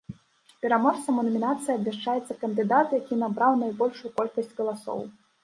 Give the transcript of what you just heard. Пераможцам у намінацыі абвяшчаецца кандыдат, які набраў найбольшую колькасць галасоў.